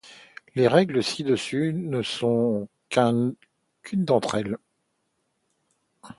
Les règles ci-dessus ne sont qu'une d'entre elles.